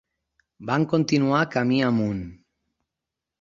Van continuar camí amunt.